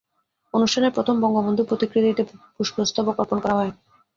অনুষ্ঠানে প্রথমে বঙ্গবন্ধুর প্রতিকৃতিতে পুষ্পস্তবক অর্পণ করা হয়।